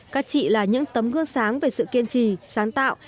các chị là những tấm gương sáng về sự kiên trì sáng tạo